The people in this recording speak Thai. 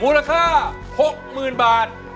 มูลค่า๖๐๐๐๐บาท